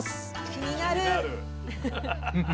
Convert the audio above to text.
気になるよ。